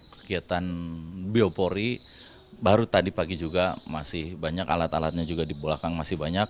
kegiatan biopori baru tadi pagi juga masih banyak alat alatnya juga di belakang masih banyak